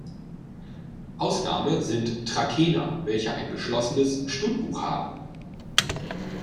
Ausnahme sind Trakehner, welche ein geschlossenes Stutbuch haben.